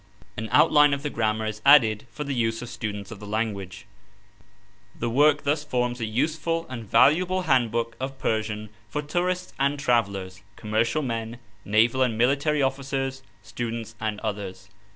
An outline of the Grammar is added for the use of students of the language. The work thus forms a useful and valuable handbook of Persian for tourists and travellers, commercial men, naval and military officers, students and others.